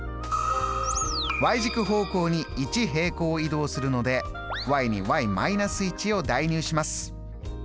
軸方向に１平行移動するのでに−１を代入します。